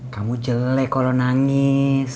kamu jelek kalau nangis